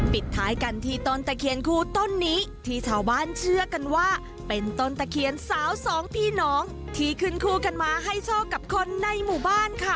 ปิดท้ายกันที่ต้นตะเคียนคู่ต้นนี้ที่ชาวบ้านเชื่อกันว่าเป็นต้นตะเคียนสาวสองพี่น้องที่ขึ้นคู่กันมาให้โชคกับคนในหมู่บ้านค่ะ